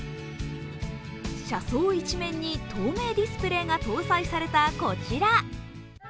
車窓一面に透明ディスプレーが搭載されたこちら。